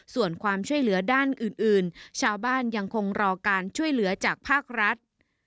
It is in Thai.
ส่วนความช่วยเหลือด้านอื่นชาวบ้านยังคงรอการช่วยเหลือจากภาครัฐ